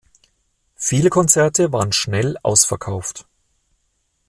Viele Konzerte waren schnell ausverkauft.